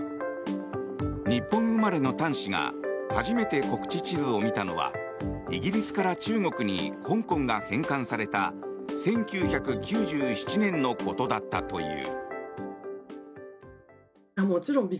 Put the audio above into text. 日本生まれの譚氏が初めて国恥地図を見たのはイギリスから中国に香港が返還された１９９７年のことだったという。